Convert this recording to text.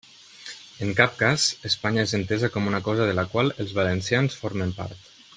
En cap cas Espanya és entesa com una cosa de la qual els valencians formen part.